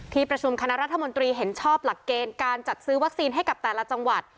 ประชุมคณะรัฐมนตรีเห็นชอบหลักเกณฑ์การจัดซื้อวัคซีนให้กับแต่ละจังหวัด